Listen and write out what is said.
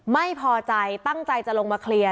ไม่พอใจตั้งใจจะลงมาเคลียร์